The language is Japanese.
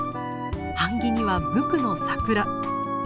版木には無垢のサクラ。